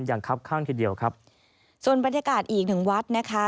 ครับข้างทีเดียวครับส่วนบรรยากาศอีกหนึ่งวัดนะคะ